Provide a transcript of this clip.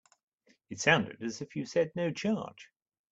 It sounded as if you said no charge.